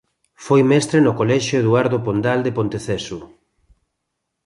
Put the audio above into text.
Foi mestre no colexio Eduardo Pondal de Ponteceso.